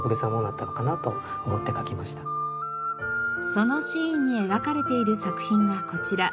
そのシーンに描かれている作品がこちら。